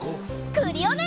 クリオネ！